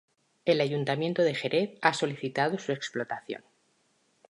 El Ayuntamiento de Jerez ha solicitado su explotación.